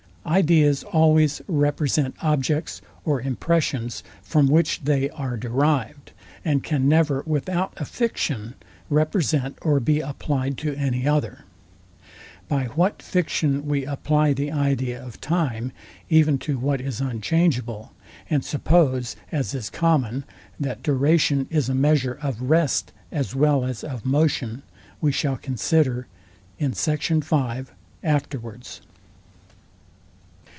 Ideas always represent the Objects or impressions, from which they are derived, and can never without a fiction represent or be applied to any other. By what fiction we apply the idea of time, even to what is unchangeable, and suppose, as is common, that duration is a measure of rest as well as of motion, we shall consider afterwards. Sect 5.